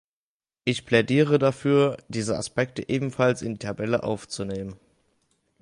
Ich plädiere dafür, diesen Aspekt ebenfalls in die Tabelle aufzunehmen.